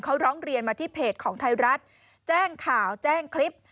เขาร้องเรียนมาที่เพจของไทยรัฐแจ้งข่าวแจ้งคลิป